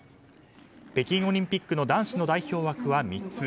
北京オリンピックの男子の代表枠は３つ。